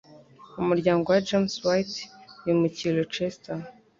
umuryango wa James White wimukiye i Rochester,